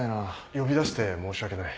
呼び出して申し訳ない。